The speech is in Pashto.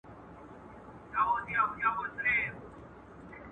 ورځ په ورځ دي شواخون درته ډېرېږی ..